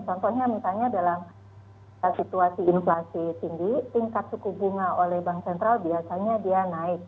contohnya misalnya dalam situasi inflasi tinggi tingkat suku bunga oleh bank sentral biasanya dia naik